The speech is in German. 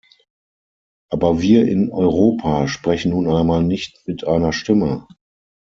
Aber wir in Europa sprechen nun einmal nicht mit einer Stimme.